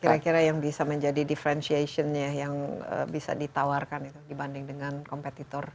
kira kira yang bisa menjadi differentiation nya yang bisa ditawarkan dibanding dengan kompetitor